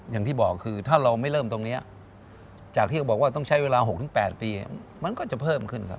อย่างที่บอกคือถ้าเราไม่เริ่มตรงนี้จากที่เขาบอกว่าต้องใช้เวลา๖๘ปีมันก็จะเพิ่มขึ้นครับ